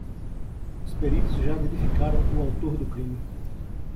Os peritos já identificaram o autor do crime.